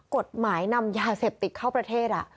กฎหมายนำยาเสพติดเข้าประเทศ